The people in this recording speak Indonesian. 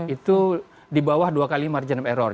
itu di bawah dua kali margin of error